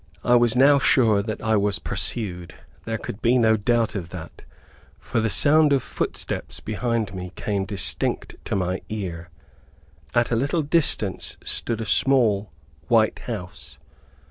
I was now sure that I was pursued; there could be no doubt of that, for the sound of footsteps behind me came distinct to my ear. At a little distance stood a small, white house.